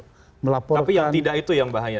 tapi yang tidak itu yang bahaya